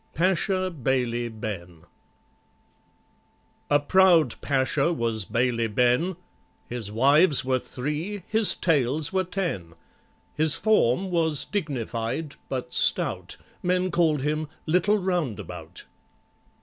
PASHA BAILEY BEN A PROUD Pasha was BAILEY BEN, His wives were three, his tails were ten; His form was dignified, but stout, Men called him "Little Roundabout."